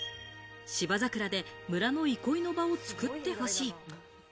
芝桜で村の憩いの場を作ってほしい。